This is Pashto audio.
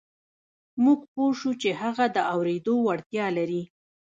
موږ پوه شوو چې هغه د اورېدو وړتيا لري.